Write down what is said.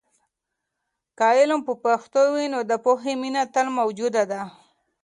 که علم په پښتو وي، نو د پوهې مینه تل موجوده ده.